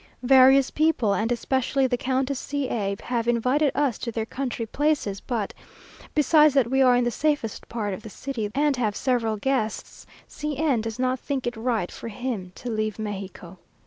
Various people, and especially the Countess C a, have invited us to their country places; but, besides that we are in the safest part of the city, and have several guests, C n does not think it right for him to leave Mexico.